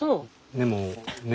でもね